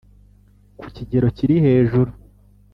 Ku kigero kiri hejuru